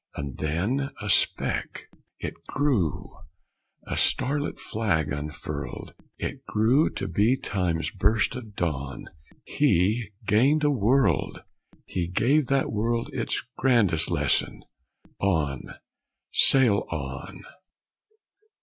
And then a speck It grew, a starlit flag unfurled! It grew to be Time's burst of dawn. He gained a world; he gave that world Its grandest lesson: "On! sail on!"